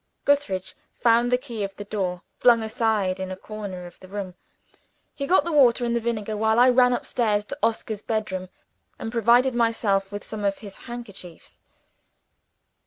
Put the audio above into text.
Gootheridge found the key of the door flung aside in a corner of the room. He got the water and the vinegar, while I ran up stairs to Oscar's bedroom, and provided myself with some of his handkerchiefs.